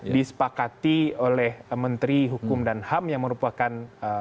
disepakati oleh menteri hukum dan ham yang merupakan